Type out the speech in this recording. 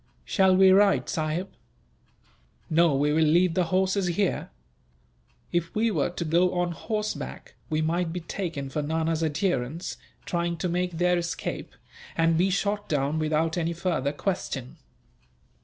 "Shall we ride, sahib?" "No, we will leave the horses here. If we were to go on horseback, we might be taken for Nana's adherents trying to make their escape, and be shot down without any further question.